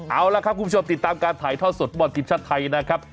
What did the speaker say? เอาล่ะครับคุณผู้ชมติดตามการถ่ายทอดสดฟุตบอลทีมชาติไทยนะครับ